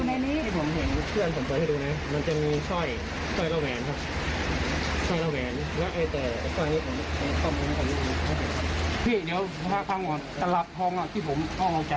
มันต้องมีแสวร์แขน๓บาทให้บ้างหรือเปล่าต้องลบต้นทิ้งที่มา